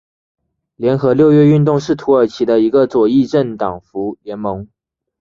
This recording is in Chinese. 联合六月运动是土耳其的一个左翼政党联盟。